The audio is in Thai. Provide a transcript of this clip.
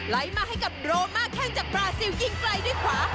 มาให้กับโรมาแข้งจากบราซิลยิงไกลด้วยขวา